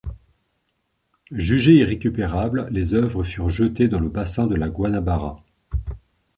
Jugées irrécupérables, les œuvres furent jetées dans le bassin de la Guanabara.